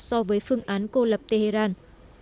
so với phương án cô lập tehran